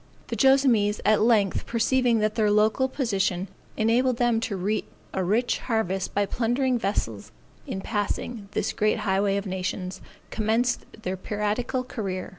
The Joassamees at length perceiving that their local position enabled them to reap a rich harvest by plundering vessels in passing this great highway of nations, commenced their piratical career.